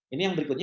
ini yang berikutnya